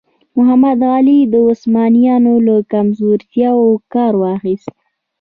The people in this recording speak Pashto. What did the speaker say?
محمد علي د عثمانیانو له کمزورتیاوو کار واخیست.